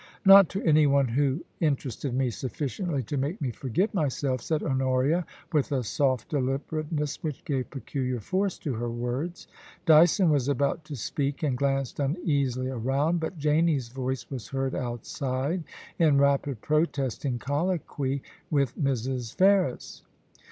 * Not to anyone who interested me sufficiently to make me forget myself,' said Honoria, with a soft deliberateness which gave peculiar force to her words. Dyson was about to speak, and glanced uneasily around, but Janie's voice was heard outside in rapid protesting colloquy with Mrs. Ferris.